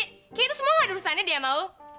kayaknya itu semua ada urusannya di ama lo